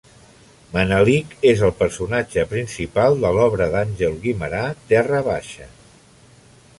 Manelic és el personatge principal de l'obra d'Àngel Guimerà Terra Baixa.